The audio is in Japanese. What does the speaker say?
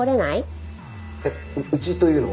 えっ？うちというのは？